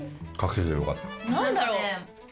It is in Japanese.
何だろう？